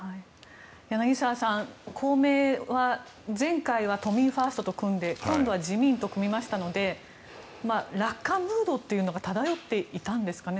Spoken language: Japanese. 柳澤さん、公明党は前回は都民ファーストと組んで今度は自民と組みましたので楽観モードというのが漂っていたんですかね？